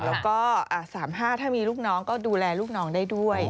แล้วก็๓๕ถ้ามีลูกน้องก็ดูแลลูกน้องได้ด้วย